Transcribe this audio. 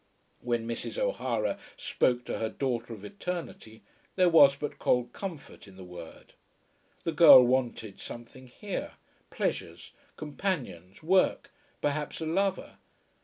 When Mrs. O'Hara spoke to her daughter of eternity, there was but cold comfort in the word. The girl wanted something here, pleasures, companions, work, perhaps a lover.